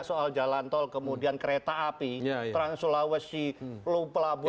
atau tidak soal jalan tol kemudian kereta api trans sulawesi lumpelabuan dan sebagainya